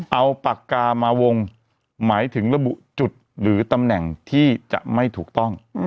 เอาปากกามาวงหมายถึงระบุจุดหรือตำแหน่งที่จะไม่ถูกต้อง